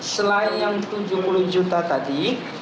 selain yang tujuh puluh juta tadi